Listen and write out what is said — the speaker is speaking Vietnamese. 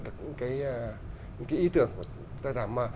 những cái ý tưởng